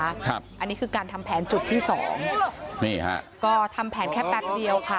อันนี้คือการทำแผนจุดที่สองนี่ฮะก็ทำแผนแค่แป๊บเดียวค่ะ